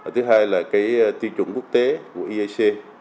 thứ hai là tiêu chuẩn quốc tế của eac